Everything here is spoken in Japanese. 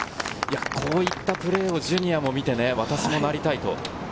こういったプレーをジュニアも見て、私もなりたいと。